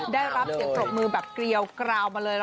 ได้รับเสียงปรบมือแบบเกลียวกราวมาเลย